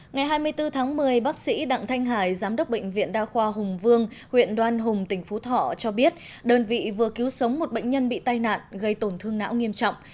ngày hai mươi bốn tháng một mươi bác sĩ đặng thanh hải giám đốc bệnh viện đa khoa hùng vương huyện đoan hùng tỉnh phú thọ cho biết đơn vị vừa cứu sống một bệnh nhân bị tai nạn gây tổn thương não nghiêm trọng